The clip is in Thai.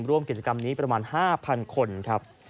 ร่วมกิจกรรมนี้ประมาณ๕๐๐คนครับ